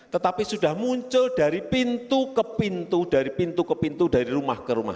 tetapi sudah muncul dari pintu ke pintu dari pintu ke pintu dari rumah ke rumah